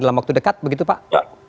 dalam waktu dekat begitu pak